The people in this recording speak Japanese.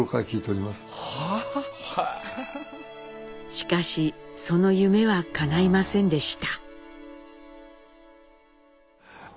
しかしその夢はかないませんでした。